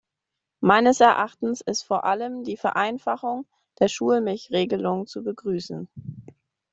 Meines Erachtens ist vor allem die Vereinfachung der Schulmilchregelung zu begrüßen.